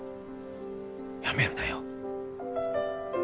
やめるなよ。